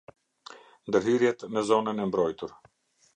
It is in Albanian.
Ndërhyrjet në zonën e mbrojtur.